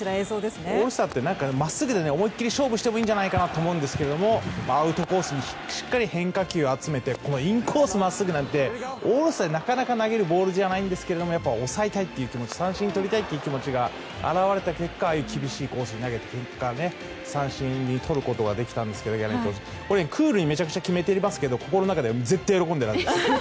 オールスターってまっすぐで思い切り勝負してもいいんじゃないかと思いますがアウトコースにしっかり変化球を集めてインコースにまっすぐなんてなかなか投げるボールじゃないんですが抑えたいという気持ち三振をとりたいという気持ちが表れた結果厳しいコースに投げた結果三振にとることができたんですがクールにめちゃくちゃ決めていますけど心の中では絶対喜んでいるはずです。